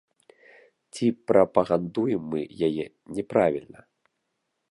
Ці прапагандуем мы яе не правільна?